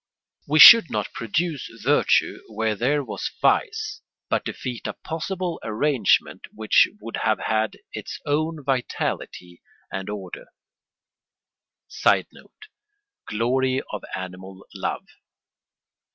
We should not produce virtue where there was vice, but defeat a possible arrangement which would have had its own vitality and order. [Sidenote: Glory of animal love.